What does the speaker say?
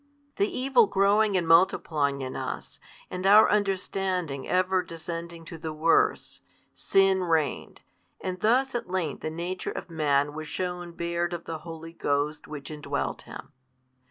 The evil growing and multiplying in us, and our understanding ever descending to the worse, sin reigned, and thus at length the nature of man was shewn bared of the Holy Ghost Which indwelt him.